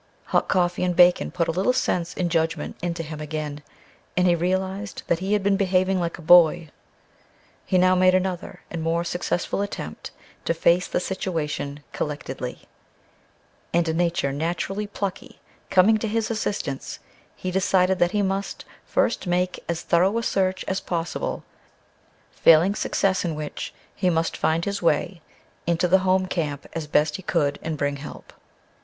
Hot coffee and bacon put a little sense and judgment into him again, and he realized that he had been behaving like a boy. He now made another, and more successful attempt to face the situation collectedly, and, a nature naturally plucky coming to his assistance, he decided that he must first make as thorough a search as possible, failing success in which, he must find his way into the home camp as best he could and bring help.